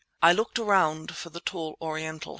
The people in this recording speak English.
I looked around for the tall Oriental.